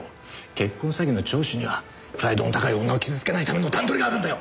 結婚詐欺の聴取にはプライドの高い女を傷つけないための段取りがあるんだよ！